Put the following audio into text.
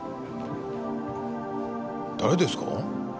誰ですか？